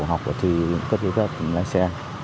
học và thi cấp giấy phép lái xe